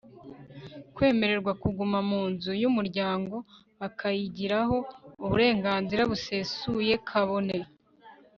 kwemererwa kuguma mu nzu y'umuryango bakayigiraho uburenganzira busesuye, kabone